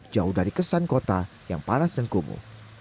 jauh dari kesan kota yang panas dan kumuh